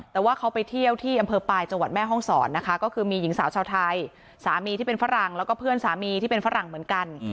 แต่ว่าเขาไปเที่ยวที่อำเภอปลายจังหวัดแม่ห้องศรนะคะก็คือมีหญิงสาวชาวไทยสามีที่เป็นฝรั่งแล้วก็เพื่อนสามีที่เป็นฝรั่งเหมือนกัน